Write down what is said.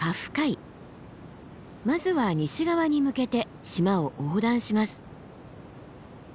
まずは西側に向けて島を横断します。